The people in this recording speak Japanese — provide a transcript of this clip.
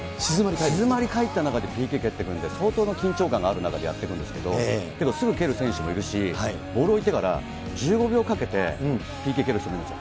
静まりかえった中でＰＫ蹴っていくんで、相当な緊張感がある中でやっていくんですけど、でもすぐ蹴る選手もいるし、ボール置いてから１５秒かけてＰＫ蹴る人もいるんですよ。